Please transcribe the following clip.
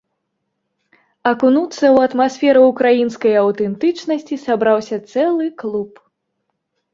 Акунуцца ў атмасферу ўкраінскай аўтэнтычнасці сабраўся цэлы клуб.